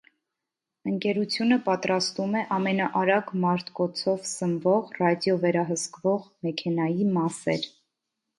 Ընկերությունը պատրաստում է ամենաարագ մարտկոցով սնվող ռադիո վերահսկվող մեքենայի մասեր։